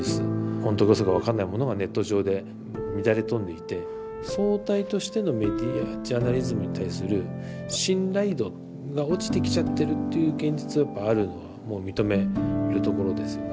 ほんとかうそか分かんないものがネット上で乱れ飛んでいて総体としてのメディアジャーナリズムに対する信頼度が落ちてきちゃってるっていう現実がやっぱあるのはもう認めるところですよね。